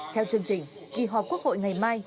theo chương trình kỳ họp quốc hội ngày mai